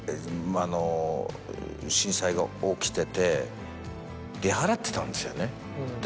が起きてて出払ってたんですよね。